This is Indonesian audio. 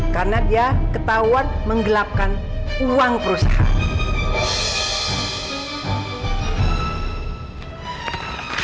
karena dia ketahuan menggelapkan uang perusahaan